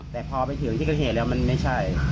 แต่พอไปถึงที่เกิดเหตุแล้วมันไม่ใช่